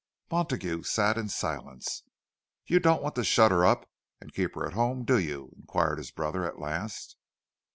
Montague sat in silence. "You don't want to shut her up and keep her at home, do you?" inquired his brother, at last.